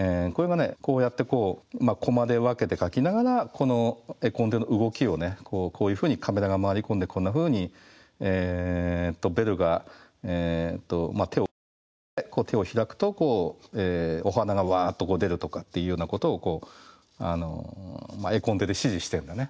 こうやってこうコマで分けて描きながらこの絵コンテの動きをねこういうふうにカメラが回り込んでこんなふうにベルが手をクロスさせて手を開くとこうお花がわっと出るとかっていうようなことをこう絵コンテで指示してるんだね。